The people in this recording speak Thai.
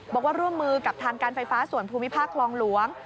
บอกว่าร่วมมือกับทางการไฟฟ้าส่วนภูมิภาคคลองหลวง